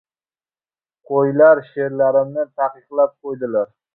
Qo‘ylar she’rlarimni taqiqlab qo‘ydilar!..